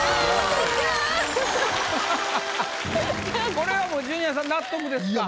これはもうジュニアさん納得ですか？